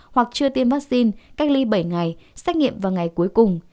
hoặc chưa tiêm vaccine cách ly bảy ngày xét nghiệm vào ngày cuối cùng